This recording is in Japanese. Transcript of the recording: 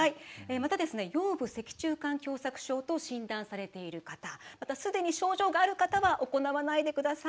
また腰部脊柱管狭さく症と診断されている方またすでに症状がある方は行わないでください。